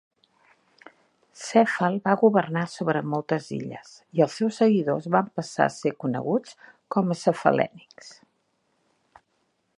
Cèfal va governar sobre moltes illes, i els seus seguidors van passar a ser coneguts com a Cefalènics.